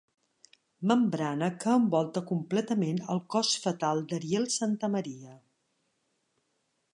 Membrana que envolta completament el cos fetal d'Ariel Santamaria.